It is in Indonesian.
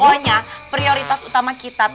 pokoknya prioritas utama kita